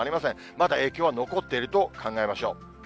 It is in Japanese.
まだ影響は残っていると考えましょう。